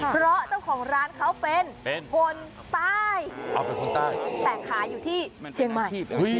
เพราะเจ้าของร้านเขาเป็นคนใต้แต่ขายอยู่ที่เชียงใหม่